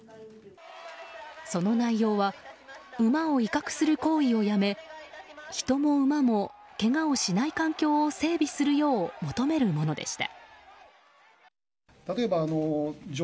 その内容は馬を威嚇する行為をやめ人も馬もけがをしない環境を整備するよう求めるものでした。